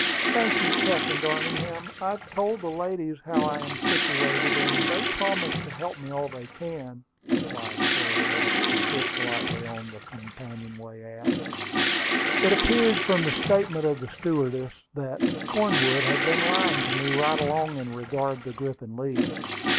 "Thank you, Captain Garningham. I have told the ladies how I am situated, and they promise to help me all they can," replied Chloe, as she tripped lightly to the companion way aft. It appeared from the statement of the stewardess that Cornwood had been lying to me right along in regard to Griffin Leeds.